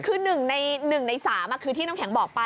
คือ๑ใน๑ใน๓คือที่น้ำแข็งบอกไป